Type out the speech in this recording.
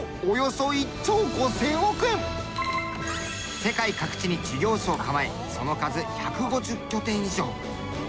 世界各地に事業所を構えその数１５０拠点以上。